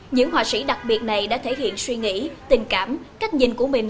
những họa sĩ đặc biệt này đã thể hiện suy nghĩ tình cảm cách nhìn của mình